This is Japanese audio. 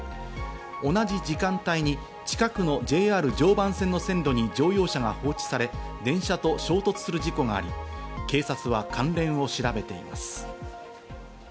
同じ時間帯に近くのＪＲ常磐線の線路に乗用車が放置され、電車と衝突する事故があり、警察は関連を調べています。